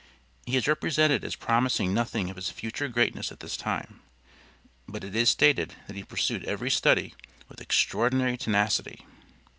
He is represented as promising nothing of his future greatness at this time, but it is stated that he pursued every study with EXTRAORDINARY TENACITY.